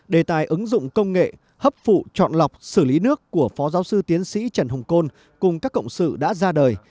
đề tài ứng dụng công nghệ hấp phụ chọn lọc xử lý nước của phó giáo sư tiến sĩ trần hồng côn cùng các cộng sự đã ra đời